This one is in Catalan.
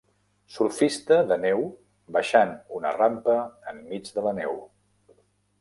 Surfista de neu baixant una rampa enmig de la neu.